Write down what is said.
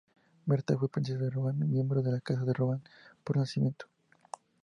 Berta fue Princesa de Rohan y miembro de la Casa de Rohan por nacimiento.